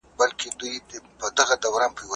د ټولني د اصلاح لپاره هڅه وکړئ.